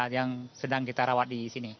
yang sedang kita rawat di sini